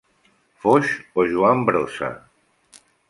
Foix o Joan Brossa.